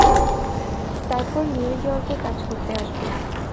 তারপর নিউ ইয়র্কে কাজ করতে আসবে।